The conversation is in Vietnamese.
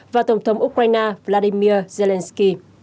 và tổng thống ukraine vladimir zelensky